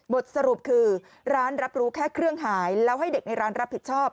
สรุปคือร้านรับรู้แค่เครื่องหายแล้วให้เด็กในร้านรับผิดชอบ